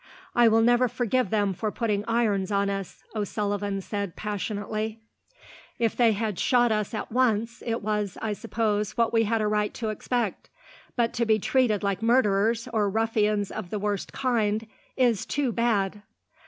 "I will never forgive them for putting irons on us," O'Sullivan said passionately. "If they had shot us at once, it was, I suppose, what we had a right to expect; but to be treated like murderers, or ruffians of the worst kind, is too bad."